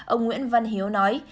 ông nguyễn văn hiếu nói